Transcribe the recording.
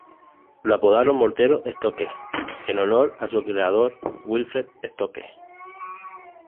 Lo apodaron mortero Stokes en honor a su creador, Wilfred Stokes.